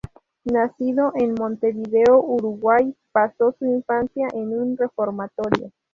Nacido en Montevideo, Uruguay, pasó su infancia en un reformatorio.